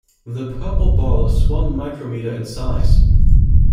The purple ball is one micrometer in size.